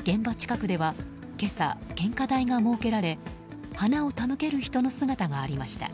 現場近くでは今朝、献花台が設けられ花を手向ける人の姿がありました。